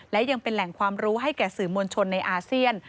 และยังเป็นแหล่งความรู้ให้แก่สื่อมวลชนในอาเซียน